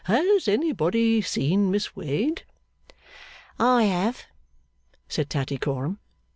'Has anybody seen Miss Wade?' 'I have,' said Tattycoram.